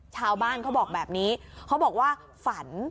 ชาวบ้านเขาบอกแบบนี้เขาบอกว่าฝัน